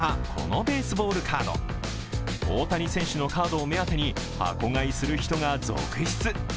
今年発売されたこのベースボールカード大谷選手のカードを目当てに箱買いする人が続出。